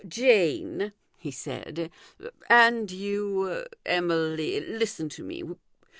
" Jane," he said, " and you, Emily, listen to me.